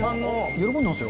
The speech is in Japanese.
喜んでますよ。